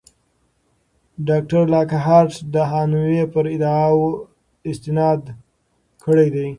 ډاکټر لاکهارټ د هانوې پر ادعاوو استناد کړی دی.